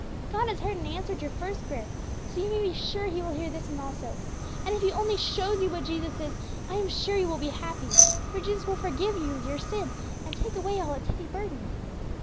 God has heard and answered your first prayer, so you may be sure He will hear this one also. And if He only shows you what Jesus is, I am sure you will be happy, for Jesus will forgive you your sin, and take away all its heavy burden."